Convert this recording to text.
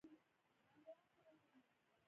د نارنج غوړي د څه لپاره وکاروم؟